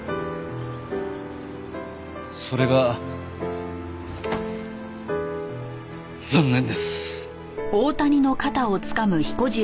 それが残念です。